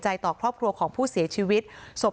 ต่อครอบครัวของผู้เสียชีวิตศพ